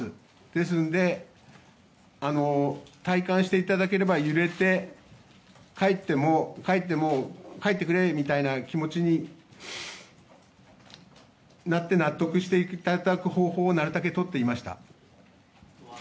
ですので、体感していただければ揺れても帰ってくれという気持ちになって納得していただける方法をなるたけとってみました。